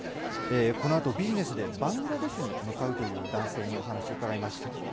このあとビジネスでバングラデシュに向かうという男性にお話を伺いました。